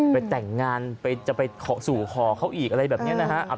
ไปแต่งงานไปจะไปสู่ขอเขาอีกอะไรแบบนี้นะฮะ